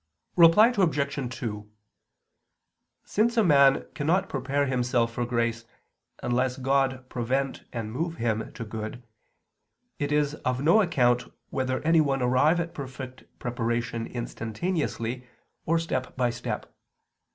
Reply Obj. 2: Since a man cannot prepare himself for grace unless God prevent and move him to good, it is of no account whether anyone arrive at perfect preparation instantaneously, or step by step.